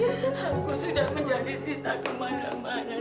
aku sudah menjaga sita kemana mana